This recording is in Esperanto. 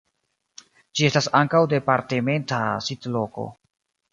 Ĝi estas ankaŭ departementa sidloko.